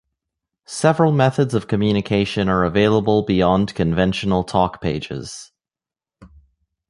Several methods of communication are available beyond conventional talk pages.